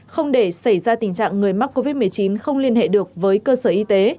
không để xảy ra tình trạng người mắc covid một mươi chín không liên hệ được với cơ sở y tế